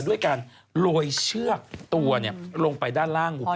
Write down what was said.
ด้วยการโรยเชือกตัวลงไปด้านล่าง